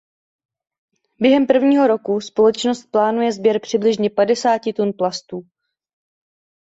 Během prvního roku společnost plánuje sběr přibližně padesáti tun plastů.